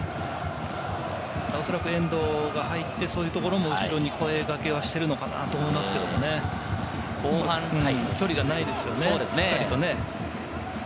おそらく遠藤が入って、そういうところも後ろに声かけをしているのかと思いますけれどもね、距離がないですよね。